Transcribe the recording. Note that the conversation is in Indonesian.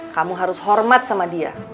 kamu harus hormat sama dia